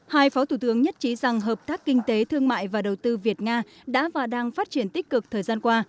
hai phó thủ tướng nhất trí rằng hợp tác kinh tế thương mại và đầu tư việt nga đã và đang phát triển tích cực thời gian qua